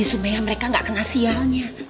supaya mereka gak kena sialnya